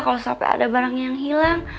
kalau sampai ada barang yang hilang